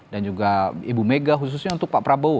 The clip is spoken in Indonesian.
dan juga ibu mega khususnya untuk pak prabowo